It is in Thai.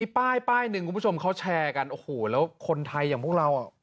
ป้ายป้ายหนึ่งคุณผู้ชมเขาแชร์กันโอ้โหแล้วคนไทยอย่างพวกเราอ่ะ